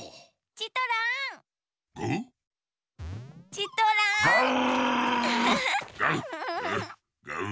チトラン！